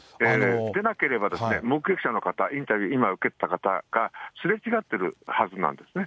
でなければ、目撃者の方、インタビュー、今受けてた方がすれ違ってるはずなんですね。